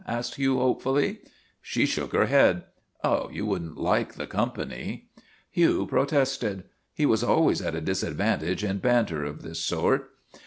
asked Hugh hopefully. She shook her head. " You would n't like the company." Hugh protested. He was always at a disad vantage in banter of this sort.